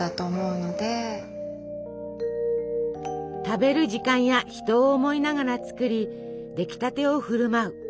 食べる時間や人を思いながら作りできたてを振る舞う。